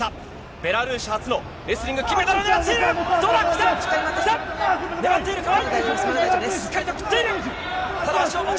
ベラルーシ初のレスリング金メダルを狙っている。